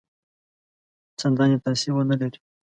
څنداني تاثیر ونه لري.